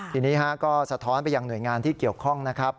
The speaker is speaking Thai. ทีนี้ก็สะท้อนไปยังหน่วยงานที่เกี่ยวข้องนะครับ